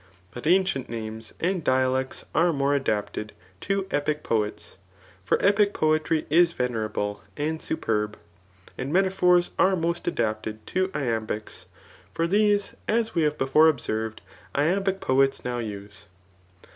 But ancient names and dialects are most adapted to epic poets; for epic poetry is yeQerablq and superb. And metaphors are most adapted to iambics ; for these, as we hkve befgre observed, iambic poets now use.